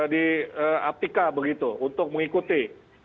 di aprika begitu untuk mengikuti